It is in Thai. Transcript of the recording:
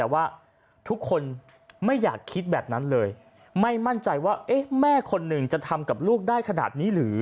ว่าเอ๊ะแม่คนหนึ่งจะทำกับลูกได้ขนาดนี้หรือ